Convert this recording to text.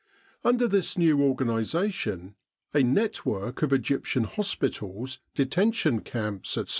Under this new organisation a network of Egyptian hospitals, detention camps, etc.